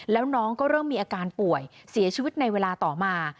แล้วน้องก็เริ่มมีอาการป่วยเสียชีวิตในเวลาต่อมา